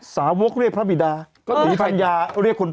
สาวกเรียกพระบีดาสีภัญญาเรียกคน